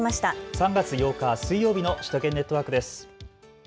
３月８日水曜日の首都圏ネットワークです。